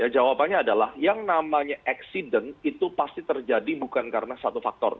jawabannya adalah yang namanya accident itu pasti terjadi bukan karena satu faktor